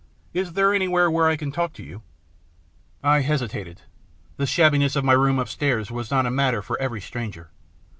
Is there anywhere where I can talk to you ?" I hesitated. The shabbiness of my room upstairs was not a matter for every stranger.